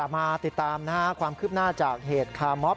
มาติดตามความคืบหน้าจากเหตุคามอบ